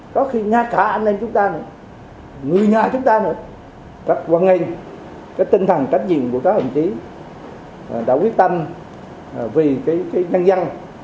có khi ngã cả anh em chúng ta người nhà chúng ta các quân hình tinh thần cách diện của các hành trí đã quyết tâm vì nhân dân